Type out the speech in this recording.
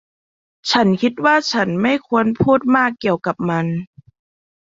ฉันคิดว่าฉันไม่ควรพูดมากเกี่ยวกับมัน